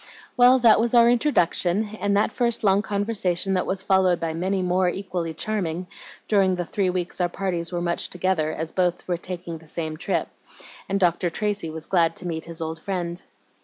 Well, that was our introduction, and that first long conversation was followed by many more equally charming, during the three weeks our parties were much together, as both were taking the same trip, and Dr. Tracy was glad to meet his old friend.